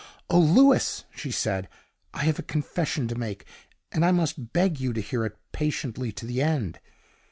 "Oh, Louis!" she said, "I have a confession to make, and I must beg you to hear it patiently to the end.